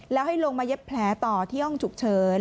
แล้วให้ลงมาเย็บแผลต่อที่ห้องฉุกเฉิน